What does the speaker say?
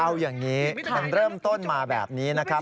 เอาอย่างนี้มันเริ่มต้นมาแบบนี้นะครับ